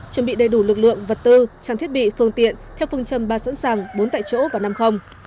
chuẩn bị đầy đủ lực lượng vật tư trang thiết bị phương tiện theo phương châm ba sẵn sàng bốn tại chỗ và năm